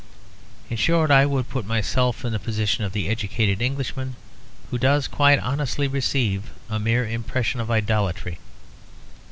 In short I would put myself in the position of the educated Englishman who does quite honestly receive a mere impression of idolatry.